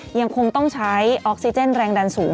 ยังคงต้องใช้ออกซิเจนแรงดันสูง